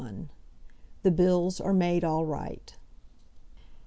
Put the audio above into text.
The Bills Are Made All Right.